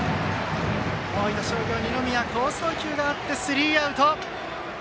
大分商業、二宮の好送球があってスリーアウト。